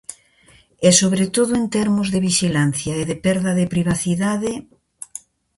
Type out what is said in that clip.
E sobre todo en termos de vixilancia e de perda de privacidade...